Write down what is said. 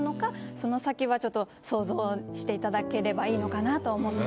その先はちょっと想像していただければいいのかなと思って。